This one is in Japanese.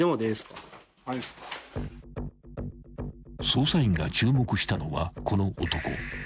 ［捜査員が注目したのはこの男］